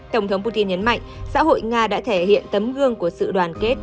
tổng thống putin nhấn mạnh xã hội nga đã thể hiện tấm gương của sự đoàn kết